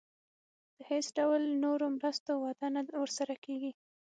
د هیڅ ډول نورو مرستو وعده نه ورسره کېږي.